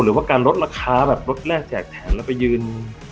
หรือว่าการลดราคาแบบรถแรกแจกแถมแล้วไปยืน